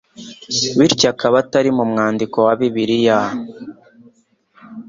bityo akaba atari mu mwandiko wa Bibiliya